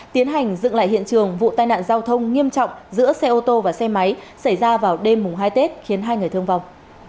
tiến hành dựng lại hiện trường vụ tai nạn giao thông nghiêm trọng giữa xe ô tô và xe máy xảy ra vào đêm hai tết khiến hai người thương vong